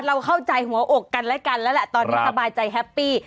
เราเข้าใจหัวอกกันและกันแล้วแหละตอนนี้สบายใจแฮปปี้